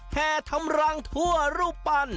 แห่ทำรังทั่วรูปปั้น